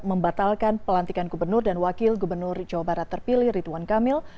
membatalkan pelantikan gubernur dan wakil gubernur jawa barat terpilih ridwan kamil